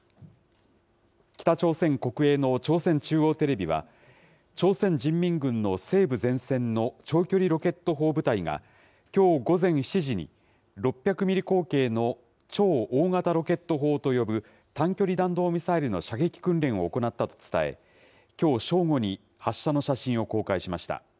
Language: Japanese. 北朝鮮国営の朝鮮中央テレビは、朝鮮人民軍の西部前線の長距離ロケット砲部隊が、きょう午前７時に、６００ミリ口径の超大型ロケット砲と呼ぶ、短距離弾道ミサイルの射撃訓練を行ったと伝え、きょう正午に発射の写真を公開しました。